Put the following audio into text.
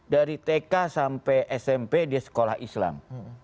dari tk sampai smp di sekolah islam